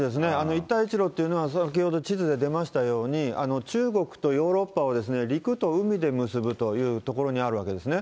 一帯一路というのは、先ほど地図で出ましたように、中国とヨーロッパを陸と海で結ぶという所にあるわけですね。